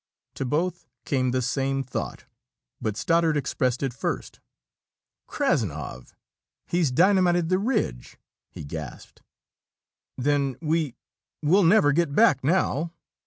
To both came the same thought, but Stoddard expressed it first. "Krassnov he's dynamited the ridge!" he gasped. "Then we we'll never get back now!"